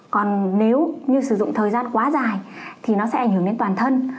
còn nếu như sử dụng thời gian quá dài thì nó sẽ ảnh hưởng đến toàn thân